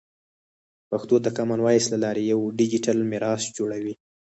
پښتو د کامن وایس له لارې یوه ډیجیټل میراث جوړوي.